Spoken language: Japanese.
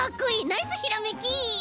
ナイスひらめき！